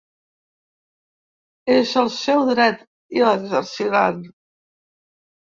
És el seu dret, i l’exerciran.